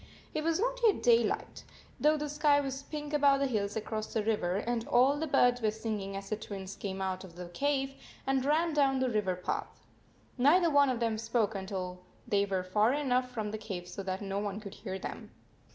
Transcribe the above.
It was not yet daylight, though the sky was pink above the hills across the river and all the birds were singing as the Twins came out of the cave and ran down the river path. Neither one of them spoke until they were far enough from the cave so that no one could hear them.